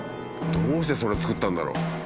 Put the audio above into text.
どうしてそれを作ったんだろう？